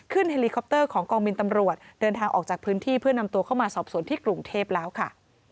เฮลิคอปเตอร์ของกองบินตำรวจเดินทางออกจากพื้นที่เพื่อนำตัวเข้ามาสอบสวนที่กรุงเทพแล้วค่ะ